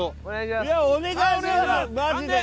いやお願いします。